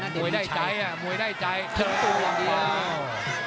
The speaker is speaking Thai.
มวยได้ใจอ่ะมวยได้ใจเตรียมตัวอันเดียว